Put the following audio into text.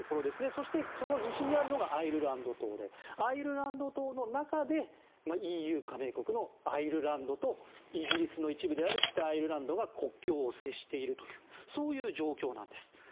そして、その西にあるのがアイルランド島でアイルランド島の中でＥＵ加盟国のアイルランドとイギリスの一部である北アイルランドが国境を接しているというそういう状況なんです。